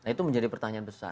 itu menjadi pertanyaan besar